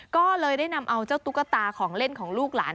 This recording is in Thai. ก็เลยได้นำเอาเจ้าตุ๊กตาของเล่นของลูกหลาน